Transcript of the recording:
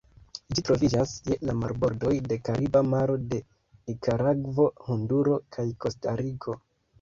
Ĝi troviĝas je la marbordoj de Kariba Maro de Nikaragvo, Honduro, kaj Kostariko.